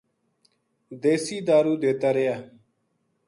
دیسی دارُو دیتا رہیا